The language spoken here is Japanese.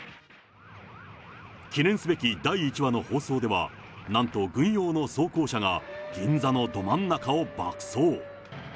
記念すべき第１話の放送では、なんと軍用の装甲車が、銀座のど真ん中を爆走。